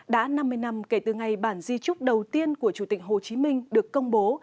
đã năm mươi năm kể từ ngày bản di trúc đầu tiên của chủ tịch hồ chí minh được công bố